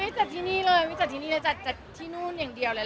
จัดที่นี่เลยไม่จัดที่นี่เลยจัดที่นู่นอย่างเดียวเลย